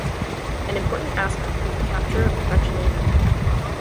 An important aspect was the capture of the French Navy.